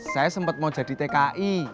saya sempat mau jadi tki